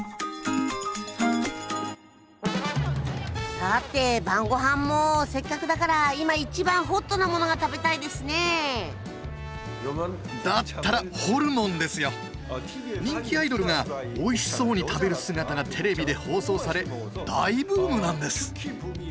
さて晩御飯もせっかくだから今一番ホットなものが食べたいですねだったら人気アイドルがおいしそうに食べる姿がテレビで放送され大ブームなんです！